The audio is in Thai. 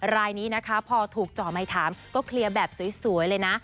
รายนี้นะคะพอถูกจ่อไมคถามก็เคลียร์แบบสวยเลยนะ